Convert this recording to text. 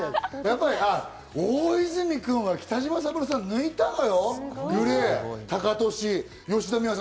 大泉君は北島三郎さん抜いたのよ。